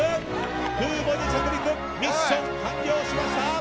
空母に着陸ミッション完了しました。